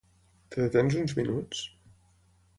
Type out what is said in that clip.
Et detens uns minuts?